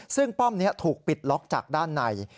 ซึ่งป้อมนี้ถูกปิดล็อกจากด้านใน